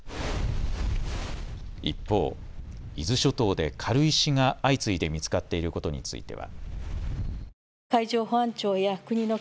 一方、伊豆諸島で軽石が相次いで見つかっていることについては。